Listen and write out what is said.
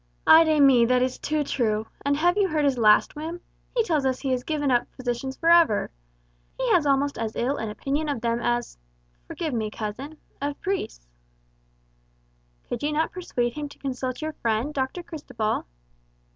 "Ay de mi, that is too true. And have you heard his last whim? He tells us he has given up physicians for ever. He has almost as ill an opinion of them as forgive me, cousin of priests." "Could you not persuade him to consult your friend, Doctor Cristobal?"